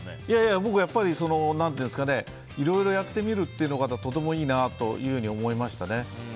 僕は、いろいろやってみるってのがとてもいいなと思いましたね。